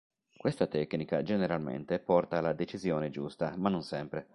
Questa tecnica generalmente porta alla decisione giusta, ma non sempre.